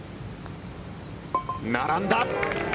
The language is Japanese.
並んだ！